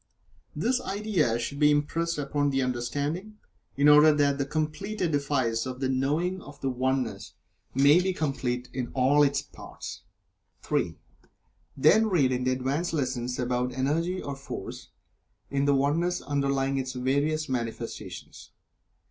This idea should be impressed upon the understanding, in order that the complete edifice of the Knowing of the Oneness may be complete in all of its parts. (3) Then read in the "Advanced Lessons" about Energy or Force, in the oneness underlying its various manifestations.